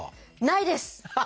ないです！